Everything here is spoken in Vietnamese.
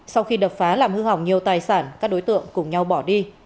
sau khi đập phá làm hư hỏng nhiều tài sản các đối tượng cùng nhau bỏ đi